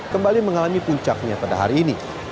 kembali mengalami puncaknya pada hari ini